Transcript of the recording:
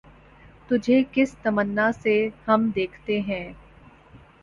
تجھے کس تمنا سے ہم دیکھتے ہیں